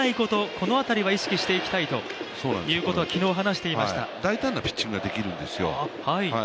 この辺りは意識していきたいということは大胆なピッチングができるんですよ。